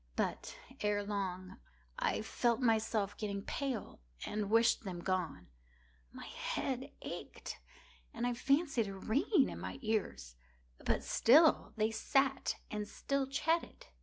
But, ere long, I felt myself getting pale and wished them gone. My head ached, and I fancied a ringing in my ears: but still they sat and still chatted.